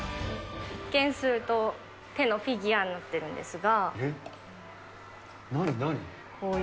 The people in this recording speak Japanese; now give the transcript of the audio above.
一見すると、手のフィギュアになっているんですが。